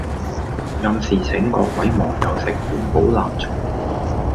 暗示請各位網友食元寶蠟燭